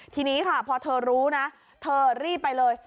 ทีนี้ค่ะพอเธอรู้นะเธอรีบไปเลย